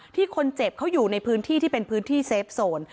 ที่คนเจ็บเขาอยู่ในพื้นที่ที่เป็นพื้นที่เซฟโซน